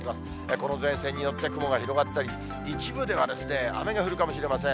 この前線によって雲が広がったり、一部では雨が降るかもしれません。